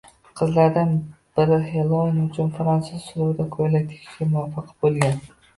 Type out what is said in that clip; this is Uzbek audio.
Qizlardan biri Xellouin uchun fransuz uslubida ko‘ylak tikishga muvaffaq bo‘lgan